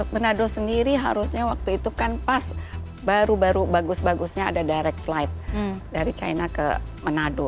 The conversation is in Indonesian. menado sendiri harusnya waktu itu kan pas baru baru bagus bagusnya ada direct flight dari china ke manado